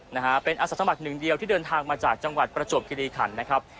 นะฮะเป็นอาสาสมัครหนึ่งเดียวที่เดินทางมาจากจังหวัดประจวบคิริขันนะครับ